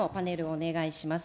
お願いします。